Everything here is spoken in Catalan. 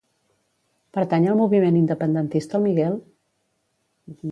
Pertany al moviment independentista el Miguel?